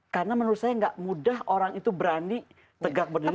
karena menurut saya enggak mudah orang itu berani tegak berdiri